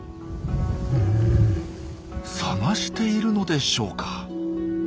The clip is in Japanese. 探しているのでしょうか？